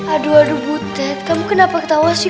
aduh aduh butet kamu kenapa ketawa sih